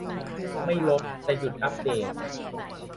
ไม่ลบ แต่หยุดอัปเดต